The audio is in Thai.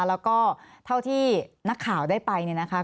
แล้วก็เท่าที่นักข่าวได้ไปเนี่ยนะคะ